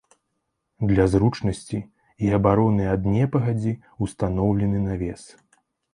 Для зручнасці і абароны ад непагадзі ўстаноўлены навес.